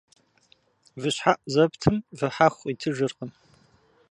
Вы щхьэӀу зэптым вы хьэху къыуитыжыркъым.